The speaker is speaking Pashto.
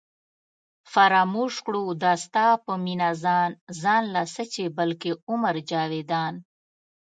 فراموش کړو دا ستا په مینه ځان ځان لا څه چې بلکې عمر جاوېدان